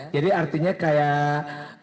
jadi artinya kayak